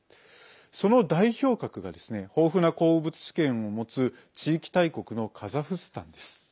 その代表格が豊富な鉱物資源を持つ地域大国のカザフスタンです。